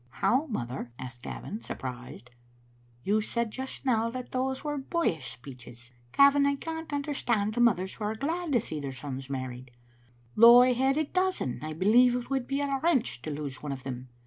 " How, mother?" asked Gavin, surprised. " You said just now that those were boyish speeches. Gavin, I can't understand the mothers who are glad to see their sons married; though I had a dozen I believe it would be a wrench to lose one of them.